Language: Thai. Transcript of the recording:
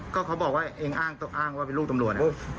ก็เขาบอกว่าเองอ้างว่าเป็นลูกตำรวจ